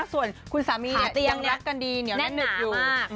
ส่วนคุณสามีเนี่ยยังรักกันดีแน่นึกอยู่